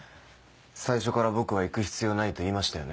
最初から僕は行く必要ないと言いましたよね？